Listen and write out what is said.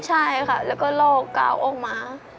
ใช่ค่ะแล้วก็โลกก้าวออกมา